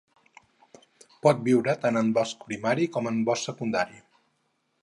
Pot viure tant en bosc primari com en bosc secundari.